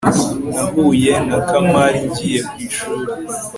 nahuye na kamari ngiye ku ishuri